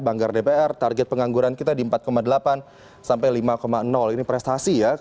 banggar dpr target pengangguran kita di empat delapan sampai lima ini prestasi ya